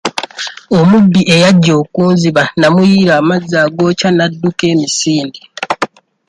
Omubbi eyajja okunziba namuyiira amazzi agookya n'adduka emisinde.